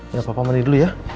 ya bapak mandi dulu ya